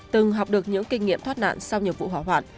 từng học được những kinh nghiệm thoát nạn sau nhiều vụ hỏa hoạn